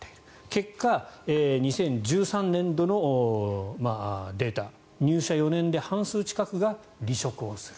結果、２０１３年度のデータ入社４年で半数近くが離職をする。